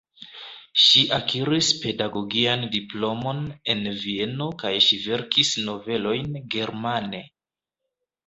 Ŝi akiris pedagogian diplomon en Vieno kaj ŝi verkis novelojn germane.